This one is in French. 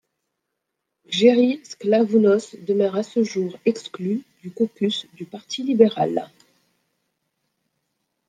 Gerry Sklavounos demeure à ce jour exclu du caucus du Parti libéral.